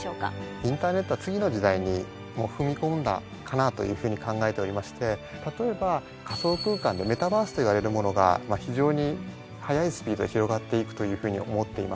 インターネットは次の時代にもう踏み込んだかなというふうに考えておりまして例えば仮想空間でメタバースといわれるものが非常に速いスピードで広がっていくというふうに思っています。